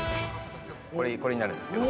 これになるんですけど。